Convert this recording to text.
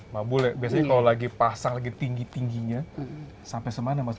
mbak bu biasanya kalau lagi pasang lagi tinggi tingginya sampai ke mana